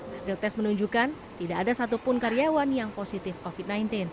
hasil tes menunjukkan tidak ada satupun karyawan yang positif covid sembilan belas